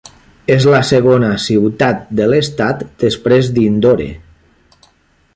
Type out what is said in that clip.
És la segona ciutat de l'estat després d'Indore.